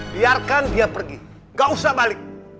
biarkan dia pergi gak usah balik